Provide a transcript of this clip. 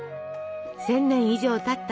１，０００年以上たった